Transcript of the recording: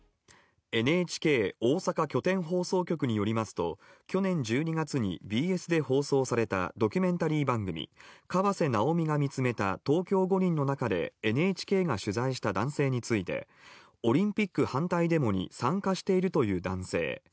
ＮＨＫ大阪拠点放送局によりますと去年１２月にＢＳで放送されたドキュメンタリー番組「河瀬直美が見つめた東京五輪」の中でＮＨＫが取材した男性について「オリンピック反対デモに参加しているという男性」